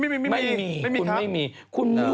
ไม่มีค่ะ